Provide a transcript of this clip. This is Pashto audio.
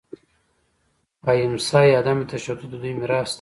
اهیمسا یا عدم تشدد د دوی میراث دی.